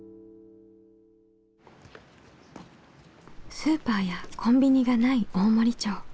スーパーやコンビニがない大森町。